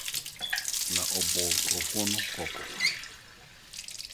na wɔbɔɔ nkurɔfo no kɔkɔ.